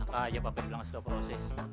apa aja bapak yang bilang gak usah ngeproses